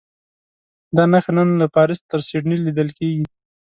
دا نښه نن له پاریس تر سیډني لیدل کېږي.